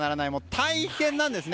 大変なんですね。